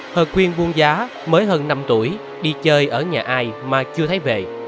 hợp quyền buôn giá mới hơn năm tuổi đi chơi ở nhà ai mà chưa thấy về